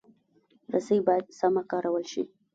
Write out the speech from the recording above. رسۍ باید سمه کارول شي.